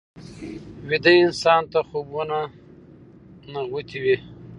ویده انسان ته خوبونه نغوتې وي